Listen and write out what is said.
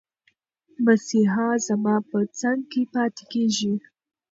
مسیحا زما په څنګ کې پاتې کېږي.